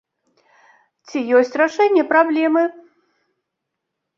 Ці ёсць рашэнне праблемы?